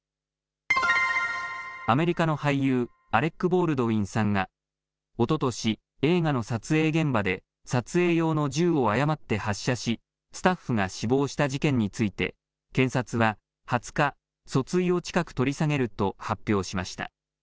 アメリカの俳優アレック・ボールドウィンさんがおととし映画の撮影現場で撮影用の銃を誤って発射しスタッフが死亡した事件について検察は２０日訴追を近く取り下げると発表しました。